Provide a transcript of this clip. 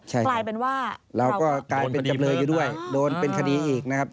ใช่ครับเราก็กลายเป็นจำเลอยู่ด้วยโดนเป็นคดีเพิ่มนะครับโดนเป็นคดีอีกนะครับ